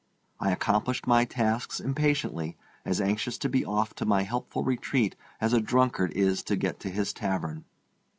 I accomplished my tasks impatiently, as anxious to be off to my helpful retreat as a drunkard is to get to his tavern.